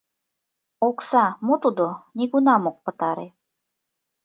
Окса мо тудо — нигунам от пытаре.